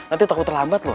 ustadz musa terlambat loh